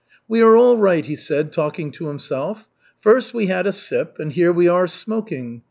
"We are all right," he said, talking to himself. "First, we had a sip, and here we are smoking.